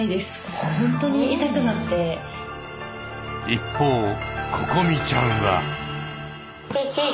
一方ここみちゃんは。